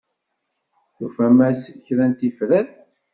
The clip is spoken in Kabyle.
Tufam-as kra n tifrat?